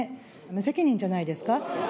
無責任じゃないですか？